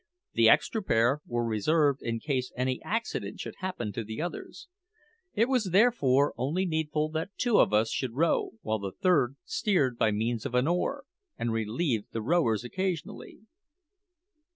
The extra pair were reserved in case any accident should happen to the others. It was therefore only needful that two of us should row, while the third steered by means of an oar and relieved the rowers occasionally.